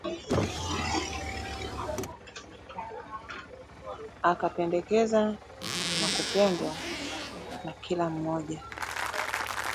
Akapendekeza na kupendwa na kila mmoja